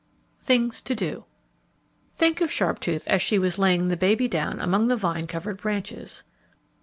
THINGS TO DO _Think of Sharptooth as she was laying the baby down among the vine covered branches.